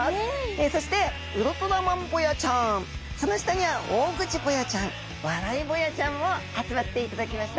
そしてウルトラマンボヤちゃんその下にはオオグチボヤちゃんワライボヤちゃんも集まっていただきました。